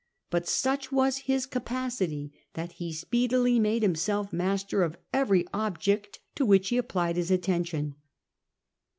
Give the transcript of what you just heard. But such was his capacity that he speedily made himself master of every object to which he applied his attention.